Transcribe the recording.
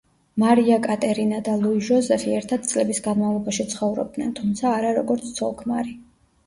მარია კატერინა და ლუი ჟოზეფი ერთად წლების განმავლობაში ცხოვრობდნენ, თუმცა არა როგორც ცოლ-ქმარი.